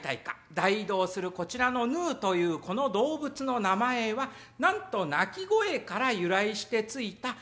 大移動するこちらのヌーというこの動物の名前はなんと鳴き声から由来して付いた有名な動物。